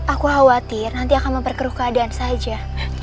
aku khawatir nanti akan memperkeruh keadaan saja